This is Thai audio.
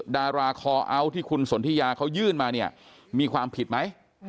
ดาราคอเอาท์ที่คุณสนทิยาเขายื่นมาเนี่ยมีความผิดไหม